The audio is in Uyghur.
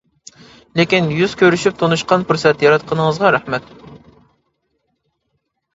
لېكىن يۈز كۆرۈشۈپ تونۇشقا پۇرسەت ياراتقىنىڭىزغا رەھمەت.